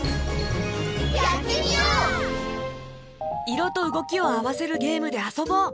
いろとうごきをあわせるゲームであそぼう！